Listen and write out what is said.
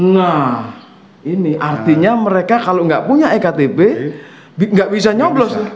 nah ini artinya mereka kalau gak punya ektp gak bisa nyoblos ya